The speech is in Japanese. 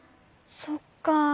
そっか。